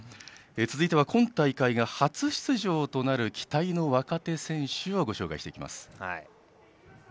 続いては今大会が初出場となる期待の若手選手をご紹介していきます。